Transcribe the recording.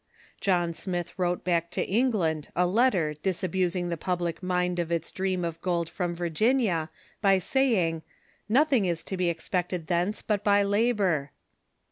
John Smith wrote back to England a letter disabusing the public mind of its dream of gold from Virginia by saying, " Nothing is to be expected thence but by labor."